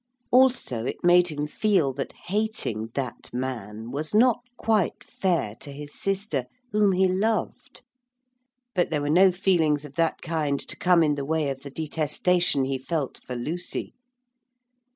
Also it made him feel that hating that man was not quite fair to his sister, whom he loved. But there were no feelings of that kind to come in the way of the detestation he felt for Lucy.